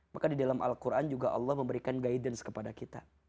maka di dalam al quran juga allah memberikan guidance kepada kita